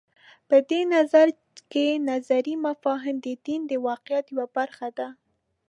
په دې نظریه کې نظري مفاهیم د دین د واقعیت یوه برخه ده.